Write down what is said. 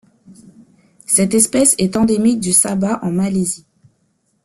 Cette espèce est endémique du Sabah en Malaisie.